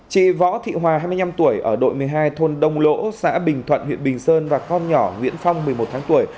chị võ thị hòa hai mươi năm tuổi ở đội một mươi hai thôn đông lỗ xã bình thuận huyện bình sơn và con nhỏ nguyễn phong một mươi một tháng tuổi